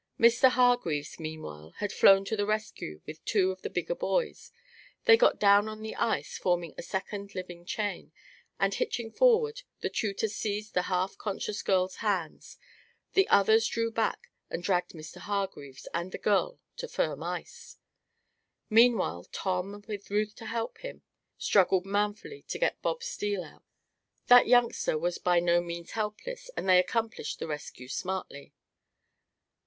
Mr. Hargreaves, meanwhile, had flown to the rescue with two of the bigger boys. They got down on the ice, forming a second living chain, and hitching forward, the tutor seized the half conscious girl's hand. The others drew back and dragged Mr. Hargreaves, with the girl, to firm ice. Meanwhile Tom, with Ruth to help him, struggled manfully to get Bob Steele out. That youngster was by no means helpless, and they accomplished the rescue smartly.